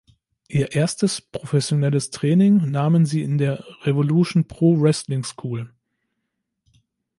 Ihr erstes professionelles Training nahmen sie in der "Revolution Pro Wrestling School".